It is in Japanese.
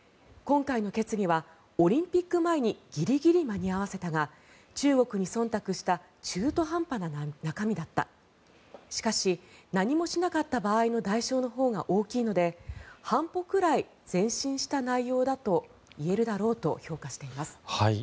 今回の決議はオリンピック前にギリギリ間に合わせたが中国にそんたくした中途半端な中身だったしかし、何もしなかった場合の代償のほうが大きいので半歩くらい前進した内容だといえるだろうと評価しています。